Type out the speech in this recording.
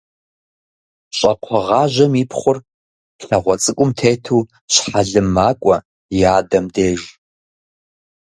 Щӏакхъуэгъажьэм и пхъур, лъагъуэ цӏыкӏум тету щхьэлым макӏуэ и адэм деж.